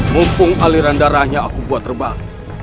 mumpung aliran darahnya aku buat terbang